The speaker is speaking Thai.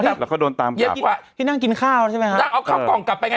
แล้วก็โดนตามกลับที่นางกินข้าวใช่ไหมฮะนางเอาข้าวกล่องกลับไปไง